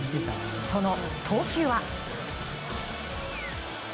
その投球は。